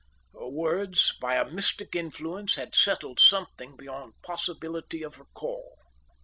Her words by a mystic influence had settled something beyond possibility of recall.